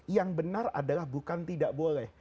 yang benar adalah bukan tidak boleh